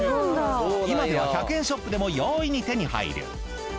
今では１００円ショップでも容易に手に入る。